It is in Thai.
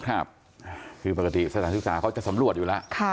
คือปกติสถานศึกษาเขาจะสำรวจอยู่แล้ว